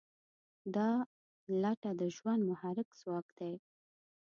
دا لټه د ژوند محرک ځواک دی.